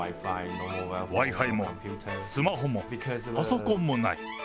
Ｗｉ−Ｆｉもスマホもパソコンもない。